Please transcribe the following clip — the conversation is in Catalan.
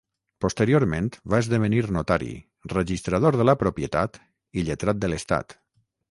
Posteriorment va esdevenir notari, registrador de la propietat i lletrat de l'Estat.